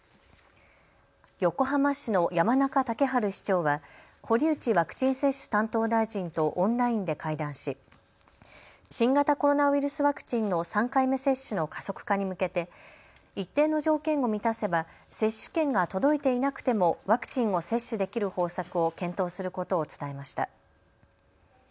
横浜市の山中竹春市長は堀内ワクチン接種担当大臣とオンラインで会談し新型コロナウイルスワクチンの３回目接種の加速化に向けて一定の条件を満たせば接種券が届いていなくてもワクチンを接種できる方策を検討することを伝えました。